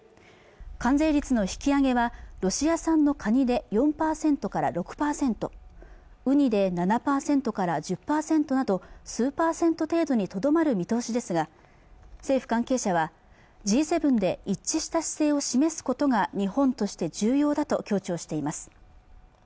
関税率の引き上げはロシア産のカニで４％から６％ウニで７％から１０％など数％程度にとどまる見通しですが政府関係者はＧ７で一致した姿勢を示すことが日本として重要だと強調しています